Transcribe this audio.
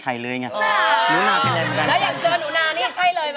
เหนื่อน้านี่เป็นสวดที่ไม่เคยเจอคนที่ชัยเลยไง